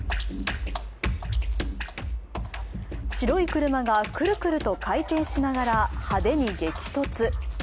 白い車が、くるくると回転しながら派手に激突。